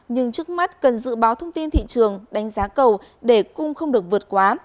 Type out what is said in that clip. nhưng trước mắt cần dự báo thông tin thị trường đánh giá cầu để cung không được vượt quá